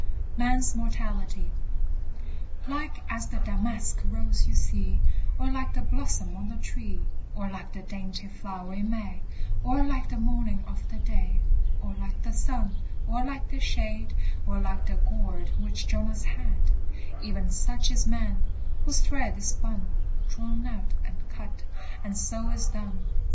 MAN'S MORTALITY. Like as the damask rose you see, Or like the blossom on the tree, Or like the dainty flower in May, Or like the morning of the day, Or like the sun, or like the shade, Or like the gourd which Jonas had, E'en such is man; whose thread is spun, Drawn out, and cut, and so is done.